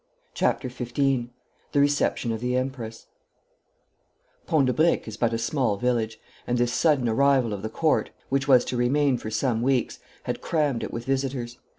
CHAPTER XV THE RECEPTION OF THE EMPRESS Pont de Briques is but a small village, and this sudden arrival of the Court, which was to remain for some weeks, had crammed it with visitors.